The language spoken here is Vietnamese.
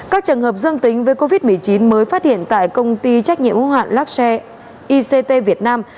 các trường hợp dương tính với covid một mươi chín mới phát hiện tại công ty trách nhiệm hữu hạn luxe ict việt nam